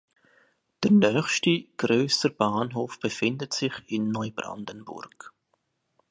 Der nächste größere Bahnhof befindet sich in Neubrandenburg.